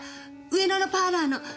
上野のパーラーの。